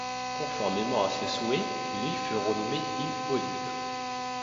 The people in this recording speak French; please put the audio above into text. Conformément à ses souhaits, l'île fut renommée île Olive.